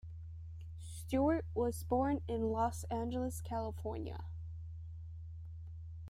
Stewart was born in Los Angeles, California.